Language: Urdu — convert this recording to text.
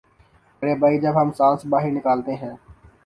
ارے بھئی جب ہم سانس باہر نکالتے ہیں